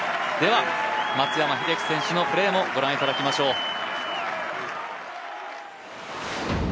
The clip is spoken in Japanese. では松山英樹選手のプレーも御覧いただきましょう。